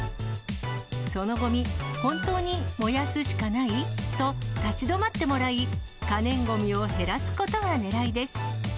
そのごみ、本当に燃やすしかない？と立ち止まってもらい、可燃ごみを減らすことがねらいです。